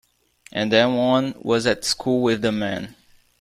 And then one was at school with the man.